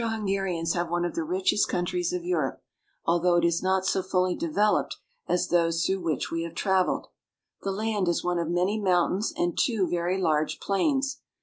The Austro Hungarians have one of the richest coun tries of Europe, although it is not so fully developed as those through which we have traveled. The land is one of many mountains and two very large plains.